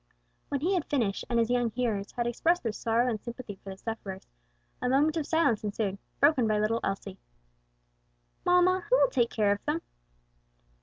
When he had finished, and his young hearers had expressed their sorrow and sympathy for the sufferers, a moment of silence ensued, broken by little Elsie. "Mamma, who will take care of them?"